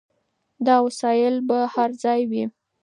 دا وسایل به هر ځای وي.